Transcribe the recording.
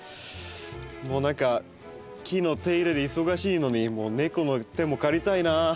もう何か木の手入れで忙しいのに猫の手も借りたいなあ。